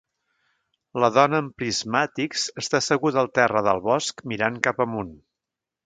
La dona amb prismàtics està asseguda al terra del bosc mirant cap amunt.